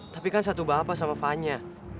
tapi kan satu bapak sama panya